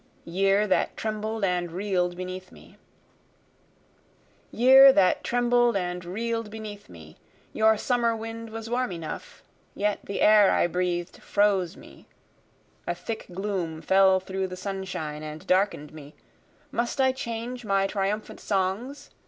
Year That Trembled and Reel'd Beneath Me Year that trembled and reel'd beneath me! Your summer wind was warm enough, yet the air I breathed froze me, A thick gloom fell through the sunshine and darken'd me, Must I change my triumphant songs?